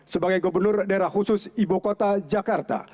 sebagai gubernur daerah khusus ibu kota jakarta